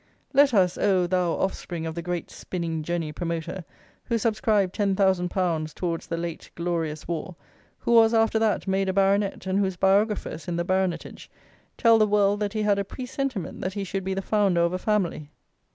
Let us, oh, thou offspring of the great Spinning Jenny promoter, who subscribed ten thousand pounds towards the late "glorious" war; who was, after that, made a Baronet, and whose biographers (in the Baronetage) tell the world that he had a "presentiment that he should be the founder of a family."